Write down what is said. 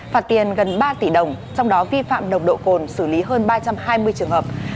phạt tiền gần ba tỷ đồng trong đó vi phạm nồng độ cồn xử lý hơn ba trăm hai mươi trường hợp